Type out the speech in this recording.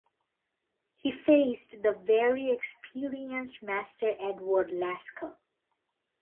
He faced the very experienced master Edward Lasker.